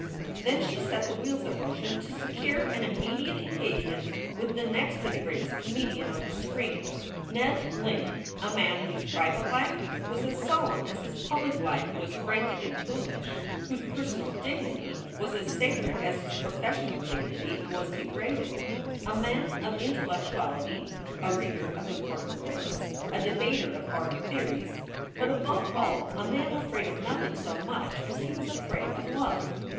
Then she set the wheels in motion to secure an immediate engagement with the next to the greatest comedian on the screen, Ned Ling, a man whose private life was as solemn as his public life was frantic and foolish; whose personal dignity was as sacred as his professional dignity was degraded ; a man of intellectuality; a reader of important books; a debater of art theories but above all a man afraid of nothing so much as he was afraid of love.